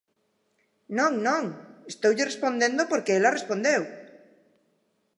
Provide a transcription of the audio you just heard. Non, non, estoulle respondendo porque ela respondeu.